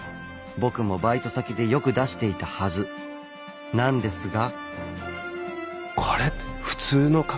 僕もバイト先でよく出していたはずなんですが。